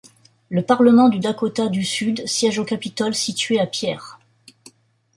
Le parlement du Dakota du Sud siège au Capitole situé à Pierre.